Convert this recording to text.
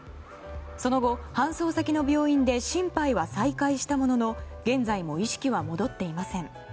その後、搬送先の病院で心肺は再開したものの現在も意識は戻っていません。